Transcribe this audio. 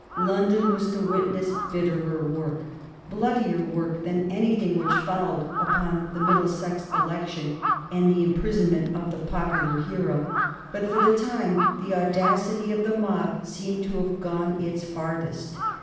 London was to witness bitterer work, bloodier work than anything which followed upon the Middlesex election and the imprisonment of the popular hero. But for the time the audacity of the mob seemed to have gone its farthest.